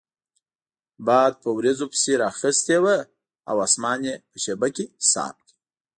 باد په وریځو پسې رااخیستی وو او اسمان یې په شیبه کې صاف کړ.